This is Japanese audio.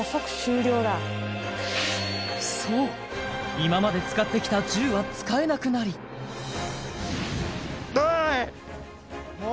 今まで使ってきた銃は使えなくなりあ！